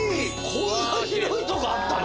こんな広いとこあったの？